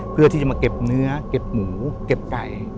เพื่อที่จะมาเก็บเนื้อเก็บหมูเก็บไก่